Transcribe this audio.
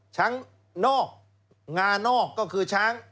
ช้างนอกงานอกก็คือช้าง